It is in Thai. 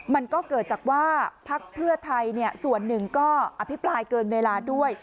มันก็เกิดจากว่าพักเพื่อไทยส่วนหนึ่งก็อภิปรายเกินเวลาด้วย